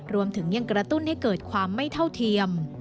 รวมถึงยังกระตุ้นให้เกิดความไม่เท่าเทียม